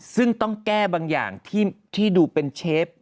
ซึ่งต้องแก้บางอย่างที่ดูเป็นเชฟ